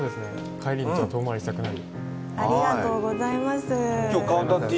「帰り道は遠回りしたくなる」。